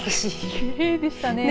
きれいでしたね。